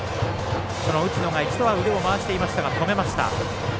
内野が、一度は腕を回していましたが止めました。